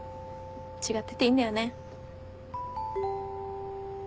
違ってていいんだよね。